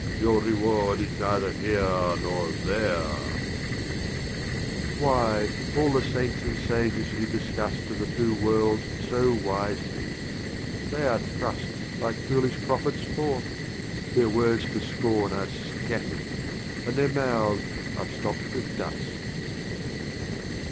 your Reward is neither Here nor There/' XXVI. Why, all the Saints and Sages who discuss' d Of the Two Worlds so wisely — they are thrust Like foolish Prophets forth; their Words to Scorn Are scatter'd, and their Mouths are stopt with Dust.